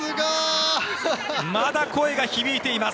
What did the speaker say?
まだ声が響いています。